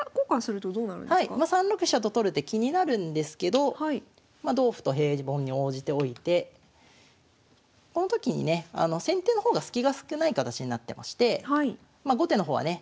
３六飛車と取る手気になるんですけどまあ同歩と平凡に応じておいてこの時にね先手の方がスキが少ない形になってまして後手の方はね